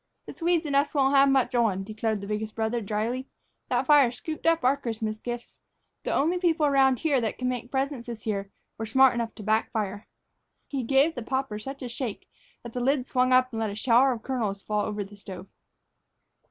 "The Swedes and us won't have much on," declared the biggest brother, dryly. "That fire scooped up our Christmas gifts. The only people around here that can make presents this year were smart enough to backfire." He gave the popper such a shake that the lid swung up and let a shower of kernels fall over the stove.